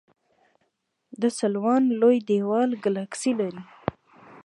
د سلوان لوی دیوال ګلکسي لري.